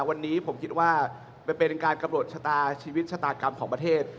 วันนี้ผมคิดว่ามันเป็นการกำหนดชะตาชีวิตชะตากรรมของประเทศ